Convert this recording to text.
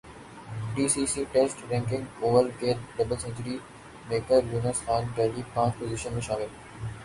ئی C C test ranking oval کے double century میکریونس خان پہلی پانچ پوزیشن میں شامل